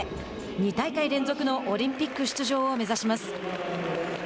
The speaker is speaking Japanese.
２大会連続のオリンピック出場を目指します。